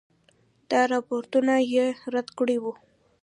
دا راپورونه یې رد کړي وو.